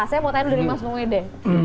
saya mau tanya dari mas mungede